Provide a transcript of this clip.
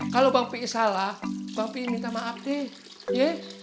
kalau bang pi salah bang pi minta maaf nih ye